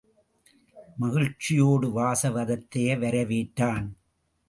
மகிழ்ச்சியோடு வாசவதத்தையை வரவேற்றான்.